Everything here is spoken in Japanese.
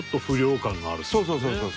そうそうそうそう。